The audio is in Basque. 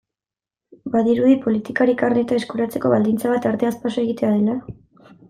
Badirudi politikari karneta eskuratzeko baldintza bat arteaz paso egitea dela?